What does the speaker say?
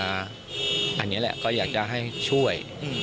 อันนี้แหละก็อยากจะให้ช่วย